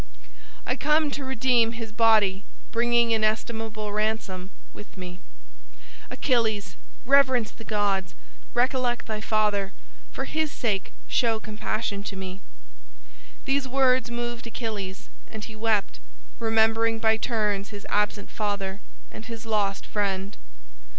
I come to redeem his body, bringing inestimable ransom with me. Achilles! reverence the gods! recollect thy father! for his sake show compassion to me!" These words moved Achilles, and he wept; remembering by turns his absent father and his lost friend.